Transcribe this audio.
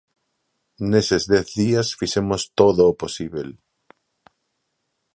Neses dez días fixemos todo o posíbel.